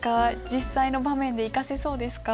実際の場面で生かせそうですか？